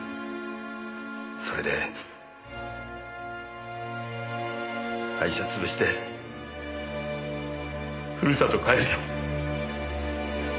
それで会社潰してふるさと帰るよ。